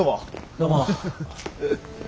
どうも。